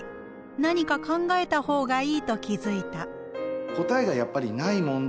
何か考えた方がいいと気付いた」。